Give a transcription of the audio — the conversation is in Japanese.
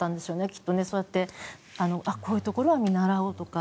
きっと、そうやってこういうところは見習おうとか。